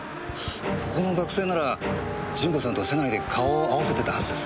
ここの学生なら順子さんと車内で顔を合わせてたはずです。